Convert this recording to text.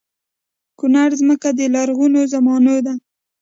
کونړ ځمکه د لرغونو زمانو ده